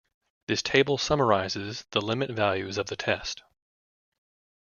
This table summarizes the limit values of the test.